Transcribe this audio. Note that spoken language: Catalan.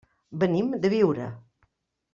Venim de Biure.